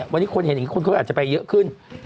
วันนี้คนเห็นอย่างนี้คนเขาอาจจะไปเยอะขึ้น